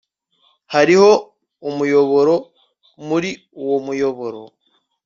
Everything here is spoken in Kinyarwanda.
hariho umuyoboro muri uwo muyoboro